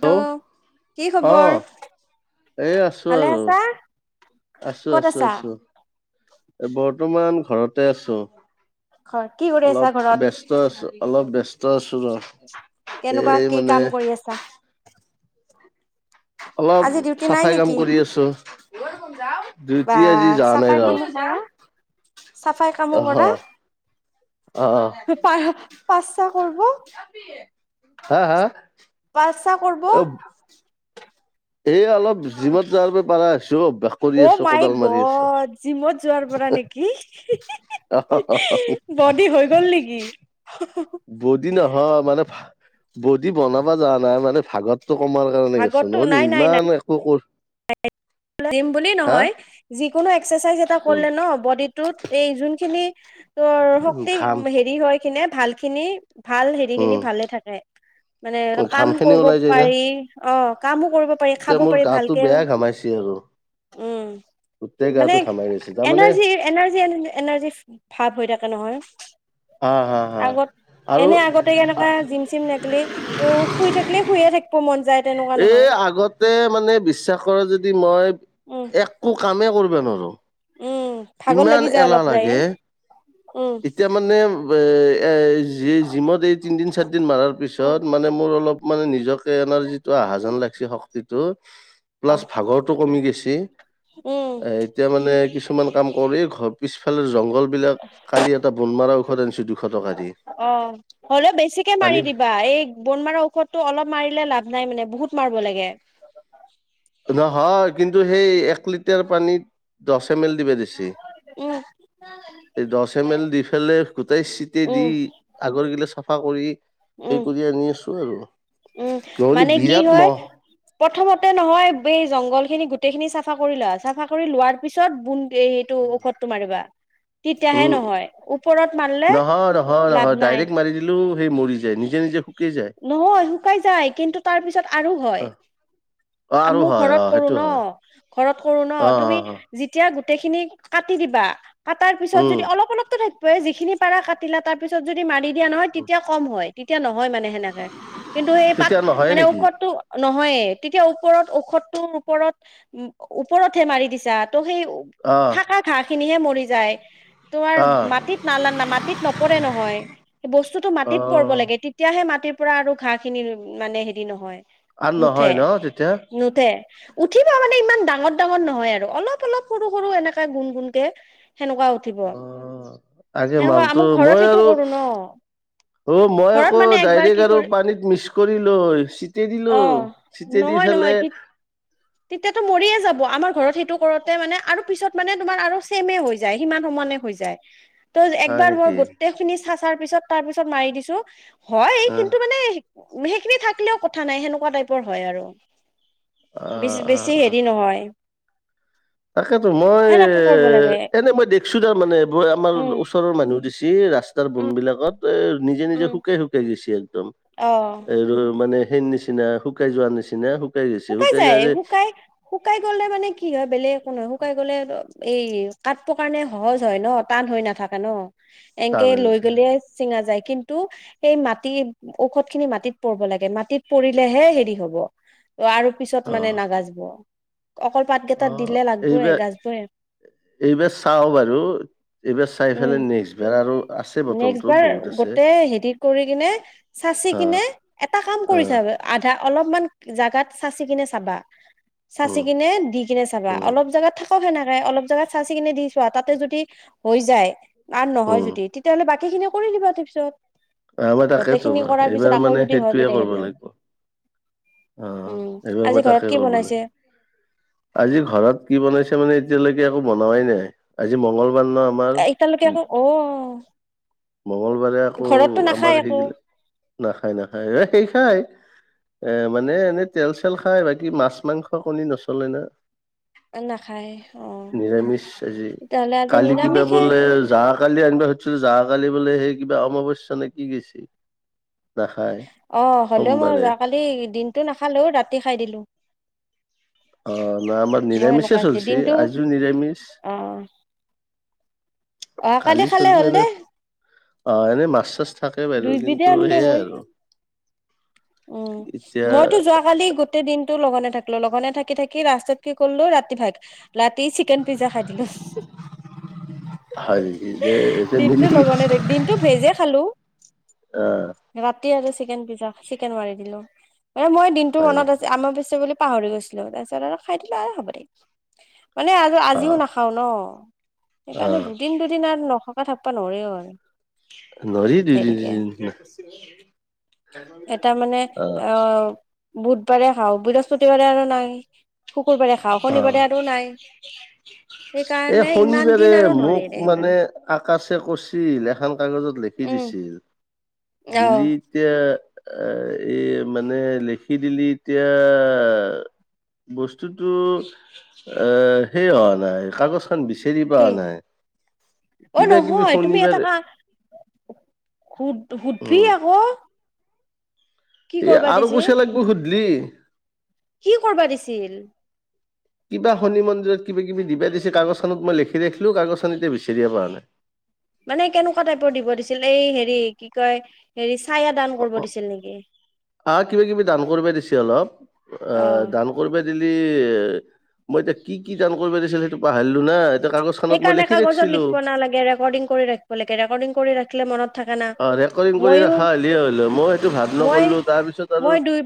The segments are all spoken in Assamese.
হেল্ল', কি খবৰ অ', এ আছো ভালে আৰু। আছা আছো ক'ত আছো আছা আছো এ বৰ্তমান ঘৰতে আছোঁ। ঘৰ কি কৰি আছা অলপ ঘৰত ব্যস্ত আছো অলপ ব্য [inaudible] কেনেকুৱা কি কাম কৰি আছা। অলপ আজি ডিউটি নাই চাফাই কাম নেকি কৰি আছো। [inaudible] বা আজি যোৱা নাই চাফাই ৰ কামো কৰা চাফাই কামো অহ কৰা অ পাপাহ- [inaudible] হা- হা। পাচা কৰব [inaudible] এই অলপ জিমত যাব পাৰা হৈছো অভ্যাস কৰি অ', আছো মাই কোদাল মাৰি আছো গত জিমত যোৱাৰ পৰা নেকি বডী হৈ গল নেকি বদি নহয় মানে বডি বনাবা যোৱা নাই মানে ভাগত পেতটো কমাৰ কাৰণে গছো ভাগতো নহ'লে নাই নাই নাই ইমান একো কৰিব জিম বুলি নহয় যিকোনো এক্সে ছাজই এটা কৰিলে ন বডিটোত এই জোন খিনি তৰ উম শক্তি ঘাম হেৰি হয় কিনে ভাল খিনি ভাল হেৰিখিনি উম, ভালে থাকে মানে কাম ঘাম খিনি কৰিব ওলাই যায় না পাৰি অ, কামো কৰিব পাৰি এতিয়া খাব মোৰ পাৰি ভাল গাটো উম বেয়া ঘামাইছে আৰু গোটেই মানে গাটো ঘামাই গৈছে তাৰমানে এনাৰ্জি এনাৰ্জি এনাৰ্জি ভাৱ হৈ থাকে নহয় হা হা হা আগত আৰু এনে আগতে এনকা জিম চিম নাথাকিলে ত শুই থাকিলে শুইয়ে থাকিব মন যায় তেনেকুৱা এই নহয় আগতে মানে বিশ্বাস কৰ যদি মই উম একো কামে কৰিব নোৱাৰো উম ভাগৰ ইমান লাগি যায় এলাহ অলপ যায়ে লাগে উম এতিয়া মানে এ জিমত এই তিনদিন চাদিন মৰাৰ উম পিছত মানে মোৰ অলপ মানে নিজক এনাজিটো আহা যেন লাগিছে শক্তিটো ত প্লাছ ভাগৰটো কমি গৈছে দে উম এ এতিয়া মানে কিছু কাম কৰি ঘৰ পিছফালে জংঘল বিলাক কালি এটা বন মৰা ঔষধ আনিছো দুশ টকা দি অ' হলেও বেছিকে আনি মাৰি দিবা এই বন মাৰা ঔষধতটো অলপ মাৰিলে লাভ নাই বোলে বহুত মাৰিব লাগে। নহয় কিন্তু হেই এক লিটাৰ পানীত দছ এমেল দিবা দিছে, উম দছ এমেল দি পেলায় গোটেই চিটি উম দি আগৰ গিলাচ চাফা কৰি এই উম কৰি আনি আছোঁ আৰু। উম, নহ'লে মানে কি বিৰাট হয়, মহ প্ৰথমতে নহয় জংঘল খিনি গোটেই খিনি চাফা কৰি লোৱা, চাফা কৰি লোৱাৰ পিছত বু এইটো ঔষধটো মাৰিবা। তেতিয়াহে উম, নহয় ওপৰত মাৰিলে নহয়, নহয়, লাভ নহয় নাই ডাইৰেক্ট মাৰি দিলোঁ সেই মৰি যায়, নিজে, নিজে শুকে নহয় শুকাই যায়, কিন্তু তাৰ পিছত আৰু অ হয়, অ আৰু মোৰ হয় অ ঘৰত কৰোঁ সেইটো ন, হয় ঘৰত কৰোঁ অ ন' অ তুমি অ', যেতিয়া গো গোটেই খিনি কাটি দিবা। কাটাৰ পিছত উম যদি অলপ, অলপটো থাক যিখিনি পাৰা কাটিলা, তাৰ পিছত যদি মাৰি দিয়া নহয় উম। তেতিয়া কম হয়। তেতিয়া নহয় মা সেনেকে কিন্তু সেই পাত, তেতিয়া নহয়ে মানে নেকি ঔষধটো ন হয়য়ে তেতিয়া ওপৰত ঔষধটোৰ ওপৰত ওপৰতহে মাৰি দিছা। ত সেই অ থাকা ঘাট খিনিহে মৰি যায়। তোমাৰ অ মাটিত নালানা মাটিত নপৰে নহয়, বস্তুটো অ মাটিত পৰব লাগে তেতিয়াহে মাট ৰাতিৰ পৰা আৰু ঘাঁহ খিনি মানে হেৰি নহয়। আৰু নহয় নুঠে ন তেতিয়া? নুঠে উঠিব মানে ইমান ডাঙৰ ডাঙৰ নহয়, আৰু অলপ অলপ সৰু সৰু এনেকে গুণ গুণকে। সেনেকুৱা উঠিব অ আগে সেনেকুৱা মালটো আমু ঘৰত মই সেইটো আৰু কৰো ন ঘৰত মানে একবাৰ তাতে কি আৰু কৰি পানীত মিক্স কৰি লৈ চি ছিটি দিলো অ ছিটি দি নহয় পেলে নহয় তেতিয়াতো মৰিয়ে যাব আমাৰ ঘৰত সেইটো কৰোতে মানে আৰু পিছত মানে তোমাৰ আৰু চেমে হৈ যায় সিমান সমানে হৈ যায়। ত' হয় একবাৰ মই নেকি গোটেই খিনি চা তাৰ পিছত তাৰ পিছত মাৰি দিছো। হয় অ অ কিন্তু মানে সেইখিনি থাকিলেও কথা নাই সেনেকুৱা টাইপৰ হয় আৰু। অ বেছি অ হেৰি নহয়। তাকেতো মই এ সেনেকে কৰিব লাগে এনে মই দেখিছো তাৰ মানে আমাৰ উম ওচৰৰ মানুহ দিছে দি ৰাস্তাৰ বন বিলাকত। তে নিজে নিজে উম শুকে শুকে গৈছিল। একদম অ এই মানে [unintelligible] নিচিনা শুকাই যোৱাৰ নিচিনা গৈছে শুকাই যায় যাৰে শুকাই শুকাই গ'লে মানে কি হয় বেলেগ [unintelligible] শুকাই গ'লে এই কাটব কাৰণে সহজ হয় ন টান হৈ নাথাকে ন। টান এনকে হৈ লৈ নাথাকে গলিয়ে চিঙা যাই। কিন্তু সেই মাটি ঔষধ খিনি মাটিত পৰিব লাগে মাটিত পৰিলেহে হেৰি হব। আৰু অ পিছত মানে নাগাজিব। অকল পাতকেইটাত অ', দিলে লাগবই এইবাৰ গাজবই এইবাৰ চাওঁ বাৰু এইবাৰ চাই উম পেলাই নেক্সট বাৰ আৰু আছে নেক্সট বটলটো বাৰ বহুত আছে গোটেই হেৰি কৰি কিনে চাচি অ কিনে এটা কাম অ কৰি থ আধা অলপমান জাগাত চাচি কিনে চাবা। চাচি উম কিনে দি কিনে চাবা উম অলপ জাগাত থাকক সেনে অলপ জাগাত চাচি কিনে দি ছোৱা তাতে যদি হৈ যায় আৰ নহয় উম যদি বাকী খিনি কৰি দিবা তাৰপিছত। আমাৰ গোটেই তাকেইতো খিনি ন কৰাৰ পিছত এইবাৰ আকৌ মানে যদি হয় সেইটোয়ে কৰব তেখেতৰ লাগিব। অ', উম এইবাৰ আজি মই ঘৰত তাকে কি কৰিব বনাইছে লাগে আজি ঘৰত কি বনাইছে মানে এতিয়ালৈ একো বনুৱাই নাই আজি মংগল এতিয়ালৈকে আকৌ অ', মংগলবাৰে আকৌ ঘৰতটো আমাৰ নাখায় একো। সেইগিলা নাখায় নাখায় এ সেই খাই। এ মানে এনে তেল চেল খাই বাকী মাছ মাংস কণী নচলে ন। নাখায় অ নিৰামিষ আজি, তেতিয়াহ'লে আজি কালি কিবা নিৰামিষে বোলে যা কালি আনবা ছিলো যোৱাকালি বোলে সেই কিবা অমাৱস্যা নেকি গেছে। অ', হ'লেও মই যোৱাকালি দিন টো নাখালো, ৰাতি খাই দিলোঁ। অ', নাই আমাৰ নিৰামিষে চলছি দিনটো আজি নিৰামিষ অ অহাকালি কালি খালে চলব হ'ল দে এনে অ', এনেই মাছ চাছ থাকে বাইদেউ দুইবিধে কিন্তু আনিলে সেইয়াই হয় আৰু। উম এতিয়া মইতো যোৱাকালি গোটেই দিনটো লঘ থাকলো লঘনে থাকি থাকি ৰাস্তাত কি কৰিলো ৰাতিৰ ভাত ৰাতি চিকেন পিজ্জা খাই দিলোঁ, হয় নেকি দে এতিয়া দিনটো মিলি ল'ঘোনে দে দিনটো ভেজে খালোঁ, ৰা তি আৰু চিকেন পিজ্জা। চিকেন মাৰি দিলোঁ। মানে মই দিনটো হয় মনত নেকি? আছে আমাভস্যা বুলি পাহৰি গৈছিলো, তাৰপিছত আৰু খাই দিলোঁ আৰু হ'ব দে। মানে আৰু অ আজিও নাখাও ন অ সেইকাৰণে দুদিন দুদিন আৰু নখ অ', ঠাকবা নৰি ঐ নৰি দুদিন তিনিদিন এটা মানেঅ ', বুধ বাৰে খাওঁ, বিহস্থতি বাৰে আৰু নাই। শুকুৰবাৰে খাও শনিবাৰে আৰু নাই এহ সেইকাৰণে ইমান দিন শনিবাৰে আৰু মোক নোৱাৰিলে মানে সেইকাৰণে আকাশে কৈছিল এখন কাগজত লিখি উম দিছিল আহ দিল্লীতে এ এই মানে লিখি দিলি এতিয়া বস্তুতো এই সেই হোৱা নাই কাগজ সেইখন বিচাৰি পোৱা কি নাই অ কিবা কিবি নহয় শনিবাৰে খুব সুধবি আকৌ কি এহ কৰবা আৰু দিছে পইছা লাগিব দিলি কি কৰবা দিছিল? কিবা শনি মন্দিৰত কিবা কিবি দিবা দিছে কাগজখনত মই লিখি ৰাখিলো কাগজখন এতিয়া বিচাৰিয়ে পোৱা নাই। মানে কেনেকুৱা টাইপৰ দিব দিছিল এই হেৰি কি কয় হেৰি ছায়া দান কৰিব অ', দিছিল নেকি আ কিবা কিবি দান কৰিব দিছে অলপ আ অ দান কৰিবা দিলে মই এতিয়া কি কি দান কৰিব দিছিল সেইটো পাহৰিলো না এতিয়া কাগজ খনত সেই মই কাৰণে লিখি কাগজত ৰাখিছিলো লিখিব নালাগে ৰেকডিং কৰি ৰাখিব লাগে ৰেকডিং কৰি ৰা কিলে মনত থাকে না অ ৰেকৰ্ডিং কৰি ময়ো ৰখা হ'লেই হ'ল মই সেইটো ভাব মই নকৰিলো তাৰপিছত আৰু মই দুই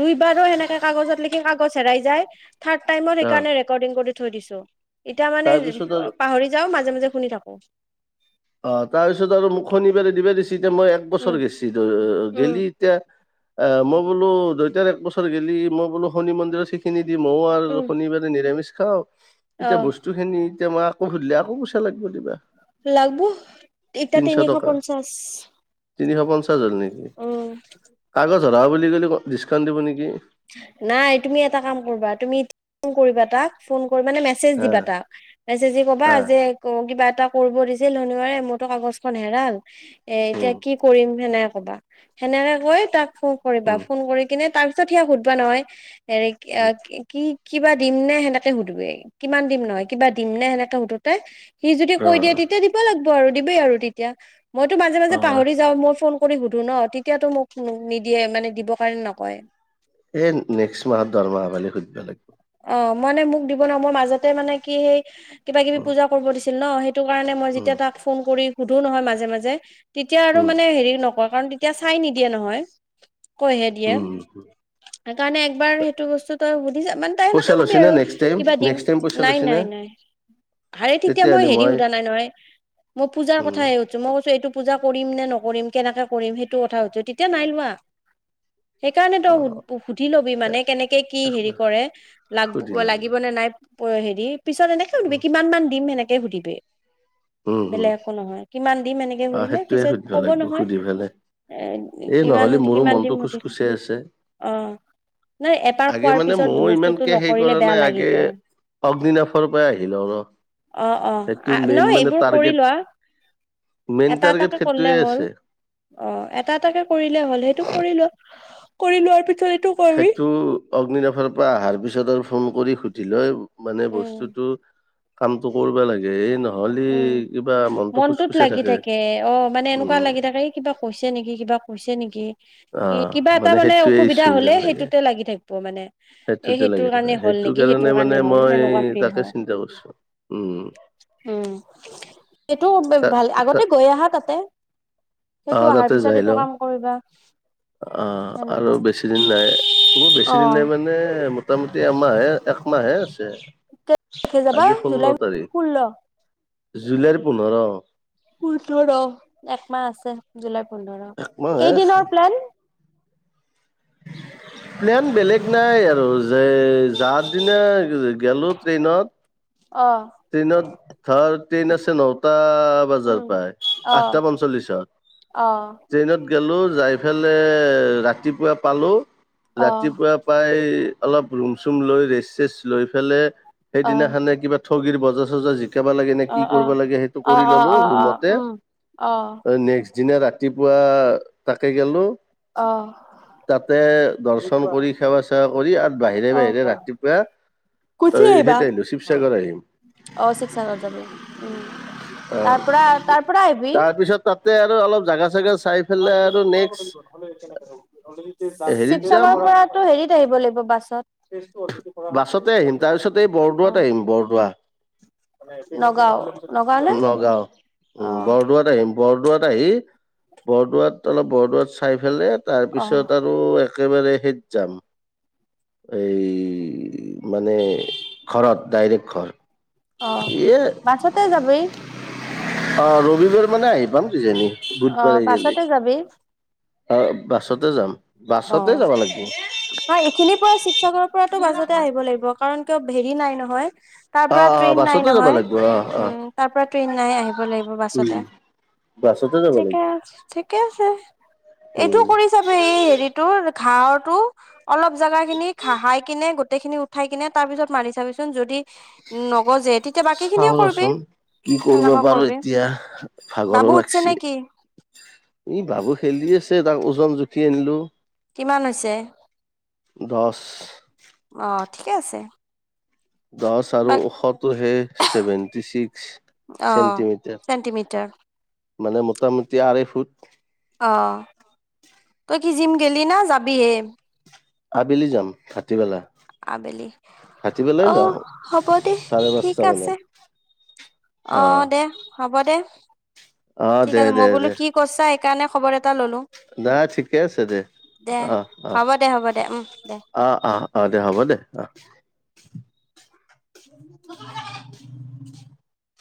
দুইবাৰো সেনেকে কাগজত লিখি কাগজ হেৰাই যায়। থাৰ্ড টাইমত অ সেইকাৰণে ৰেকৰ্ডিং কৰি থৈ দিছোঁ এতিয়া মানে তাৰপিছত আৰু পাহৰি যাও মাজে মাজে শুনি থাকো অ তাৰপিছত আৰু মোক শনিবাৰে দিবা দিছি এতিয়া মই এক উম বছৰ গেছিলো উম গেলি এতিয়া এ মই বোলো দুইতাৰ এক বছৰ গেলি মই বোলো শনি মন্দিৰত সেই খিনি দি ময়ো আৰু উম শনিবাৰে নিৰামিষ খাওঁ। অ এতিয়া বস্তুখিনি এতিয়া মই আকৌ সুধিলে আকৌ পইচা লাগিব দিবা লাগব, এতিয়া তিনশ তিনিশ টকা পঞ্চাশ। তিনিশ পঞ্চশ উম [unintelligible] জৰা বুলি ক'লে ডিকাউণ্ট দিব নেকি। নাই তুমি এটা কাম কৰিবা তুমি ফোন কৰিবা তাক ফোন মানে মেচেজ হা দিবা তাক, মচেজ দি কবা হা যে কিবা এটা কৰিব দিছিল শনিবাৰে মোৰতো কাগজখন হেৰাল। এ এতিয়া উম কি কৰিম সেনে কবা সেনেকে কৈ তাক ফোন কৰিবা উম ফোন কৰি কিনে তাক [unintelligible] সোধবো নহয়। এনে উম আহ কি কি। কিবা দিম নে সেনেকে সুধবি, কিমান দিম নহয় কিবা দিম নে সেনেকে সুধোতে সি যদি অ কৈ দিয়ে তেতিয়া দিব লাগ [unintelligible] আৰু দিমে আৰু তেতিয়া। মইতো মাজে মাজে অ পাহৰি যাওঁ মই ফোন কৰি সুধো ন তেতিয়াতো মোক নিদিয়ে মানে দিব কাৰণে নকয়। এ নেক্সট মাহত দৰমহা পালে সুধবা লাগব। অ', মানে মোক দিব নোৱাৰো মই মাজতে মানে কি সেই, কিবা কিবি পূজা কৰিব দিছে। হ্যালো হে সেইটো কাৰণে মই যেতিয়া তাক ফোন কৰি। সুধো নহয় মাজে মাজে। তেতিয়া আৰু মানে হেৰি ন কাৰণ তেতিয়া চাই নিদিয়ে নহয়। কৈহে দিয়ে সেইকাৰণে একবাৰ সেইটো বস্তু তই সুধিছাবা ন তোৰ মতে কবি আৰু কিবা দিম নাই নাই নাই হায়ে তেতিয়া মই হেৰি সুধা নাই নহয় মই পুজাৰ কথে উম সধছো মই এইটো পুজা কৰিম নে নকৰিম কেনেকে কৰিম সেইটো কথা শুধছোঁ, তেতিয়া নাই লোৱা। সেইকাৰণে অ', তই সুধি লবি মানে এ- কেনেকে কি হেৰি একবাৰ কৰে। লাগ সুধি ল'ম বাৰু। লাগিব নে নাই। প হেৰি পিছত এনেক উম [unintelligible] কিমান দিম সেনেকে সেয়ে শুধিবি। উম উম। বেলেগ একো নহয় কিমান দিম এনেকে অ সুধিলে সেইটোৱে পিছত সুধিব কব লাগিব নহয় সুধি পেলাই এ এই কিমান নহ'লে মোৰো কিমান মনটো দিম খুচ সুধিলে খুচাই আছে অ', নাই এবাৰ খোৱাৰ পিছত বস্ তিয়া সেই কৰা নাই আগে অগ্নিনাশৰ পৰা আহি লওঁ ৰ' অ সেইটো মেইন নহয় মানে এইবোৰ কৰি টাৰ্গেট লোৱা, মেইন এটা টাৰ্গেট এটাকে কৰিলে সেইটোৱে হ'ল আছে অ', এটা এটাকে কৰিলে হ'ল সেইটো কৰি লোৱা। কৰি লোৱাৰ পি সেইটো অগ্নিনাভৰ পৰা আহাৰ পিছ [unintelligible] ফোন কৰি সুধি লৈ মানে উম বস্তুটো কামটো কৰবা লাগে এই নহ উম মনটোত লাগি থাকে অ মানে এনেকুৱা উম লাগি থাকে কিবা কৈছে নেকি কিবা কৈছে নেকি অ কিবা এটা মানে সেইটোৱে অসুবিধা ইচ্যু হ'লে যেন লাগে সেইটোতে লাগি থাকিব প মানে এই সেইটোতে সেইটোৰ লাগি কাৰণে থাকে হ'ল সেইটো নেকি কাৰণে সেইটোৰ মানে হ'ল মই সেনেকুৱা ফিল তাকে হয় চিন্তা কৰিছো উম উম এইটো ভাল আগতে গৈ আহা তাতে সেইটো আহ অহাৰ তাতে পিছত যাই এইটো লওঁ কাম কৰিবা আহ আৰু সেনেকুৱা বেছি দিন নাই বেছি অ দিন নাই মানে মোটামুটি হে এক্মা হে কে যাবা আজি ষোল্ল জুলাই তাৰিখ ষোল্ল জুলাইৰ পোন্ধৰ োঠৰ একমছ জুলাই পোন্ধৰ একমাহে আছে কেইদিনৰ প্লেন প্লেন বেলেগ নাই আৰু যে যাৰ দিনা গলো ট্ৰেইনত অ ট্ৰেইনত ধৰ ট্ৰেইন আছে নটা বজাৰ উম পৰাই অ আঠটা পঞ্চল্লিশত অ ট্ৰেইনত গলো যাই ফেললে ৰাতিপুৱা পালো অ ৰাতিপুৱা প্ৰাই অলপ ৰুম চুম লৈ ৰেচ চেচ লৈ ফেলে অ সেইদিনাখানে কিবা ঠগীৰ বজাৰ চজাৰ জিক কাবা লাগে নে অ কি অ কৰবা লাগে সেইটো অ কৰি অ ল'লো অ অ ৰুমতে উম অ নেক্সট দিনা ৰাতিপুৱা তাকে গেলোঁ। অ তাতে দৰ্শন কৰি সেৱা চেৱা কৰি আৰু বাহিৰে অ বাহিৰে ৰাতিপুৱা গুচি আহিবা সেইত আহিলো শিৱসাগৰ আহিম। অ', শিৱসাগৰ যাবি উম, তাৰ পৰা তাৰ পৰা আহিবি। তাৰ পিছত তাতে আৰু অলপ জাগা চেগা হেৰিত যাম শিৱসাগৰ পৰাটো হেৰিত আহিব লাগিব বাছত, বাছতে আহিম তাৰপিছত এই বৰদোৱাত অহ। আহিম বৰদোৱা। নে নগাঁও অ উম, বৰদোৱাত আহিম, বৰদোৱাত আহি বৰদোৱাত অলপ বৰদোৱাত খাই ফেলে অ তাৰপিছত আৰু একেবাৰে তেত যাম, এই মানে ঘৰত ডাইৰেক্ট ঘৰ। অ', এ বাছতে যাবি। অ', ৰবিবাৰ মানে আহি পাম। কিজানি বুধবাৰ অ', আহি গেলি বাছতে যাবি। অ', বাছতে যাম। অ', বাছতে যাব লাগিব ন এইখিনিৰ পৰা শিৱসাগৰৰ পৰাতো বাছতে আহিব লাগিব কাৰণ কিয় হেৰি নাই নহয়। তাৰ অ পৰা অ ট্ৰেইন নাই বাছতে যাব নহয়। লাগিব অ অ উম, তাৰ পৰা ট্ৰেইন নাই, আহিব লাগিব বাছতে। উম বাছতে যাব ঠিকে লাগিব আছ-ঠিকে আছে, এইটো উম কৰি চাবি এই হেৰিত ঘাঅ'ৰটো অলপ জোগা খিনি ঘাহাই কিনে গট গোটেই খিনি উঠাই কিনে তাৰ পিছত মাৰি চাবিচোন যদি নগজে তেত চাওঁ ৰচোন, কি কৰিব পাৰো। কৰিবি এতিয়া ভাগৰো বাবু উঠছে লাগিছে। নে কি ই বাবু খেলি আছে তাক একদম জুখি আনিলো। কিমান হৈছে? দচ। অ', ঠিকেই আছে। দহ আৰু বা ওখটো হেই ছেভেণ্টি ছিক্স অ চেণ্টিমিটাৰ। চেণ্টিমিটাৰ মানে মোটামুটি আঢ়েই ফুট। অ', তই কি জিম গেলি না যাবিহে? আবেলি যাম, ভাটিবেলা। আবেলি। ভাটিবেলাই যাওঁ অ', হ'বদে, চাৰে ঠিক পাঁচটা আছে। মানত অ', দে হ'বদে। অ ঠিক দে আছে, দে মই বোলো দে। কি কৈছা এ সেই কাৰণে খবৰে। নাই ঠিকে আছে দে দে আহ আহ হ'ব দে হ'ব দে উম দে। আহ আহ আহ দে হ'ব দে আহ। [inaudible]